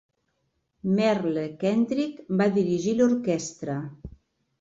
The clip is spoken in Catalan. Merle Kendrick va dirigir l'orquestra.